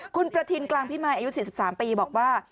คุณประทินกลางพิมายอายุ๔๓ปีบอกว่า